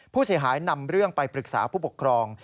ผู้เสียหายนำเรื่องไปปรึกษาผู้ปกครอง